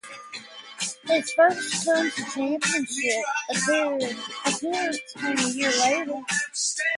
His first County Championship appearance came a year later.